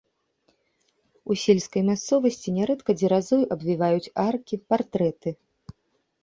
У сельскай мясцовасці нярэдка дзеразой абвіваюць аркі, партрэты.